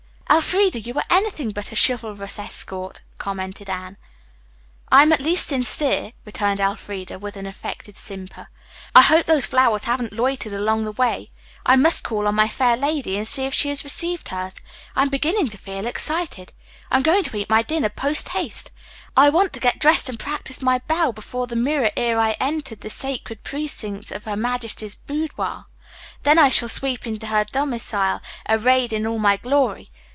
"Elfreda, you are anything but a chivalrous escort," commented Anne. "I am at least sincere," returned Elfreda, with an affected simper. "I hope those flowers haven't loitered along the way. I must call on my fair lady and see if she has received hers. I'm beginning to feel excited. I'm going to eat my dinner post haste. I want to get dressed and practice my bow before the mirror ere I enter the sacred precincts of her majesty's boudoir. Then I shall sweep into her domicile, arrayed in all my glory.